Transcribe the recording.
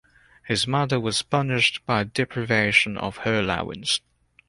His mother was punished by deprivation of her allowance.